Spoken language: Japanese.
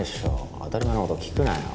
当たり前の事聞くなよ。